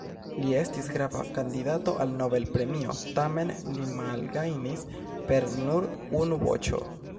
Li estis grava kandidato al Nobel-premio tamen li malgajnis per nur unu voĉo.